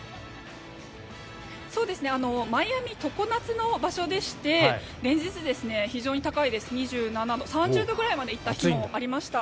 マイアミは常夏の場所でして連日非常に高いです２７度、３０度ぐらいまで行った日もありました。